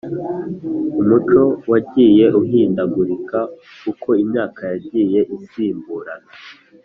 Umuco wagiye uhindagurika uko imyaka yagiye isimburana